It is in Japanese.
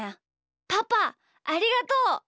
パパありがとう。